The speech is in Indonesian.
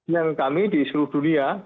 yang kami di seluruh dunia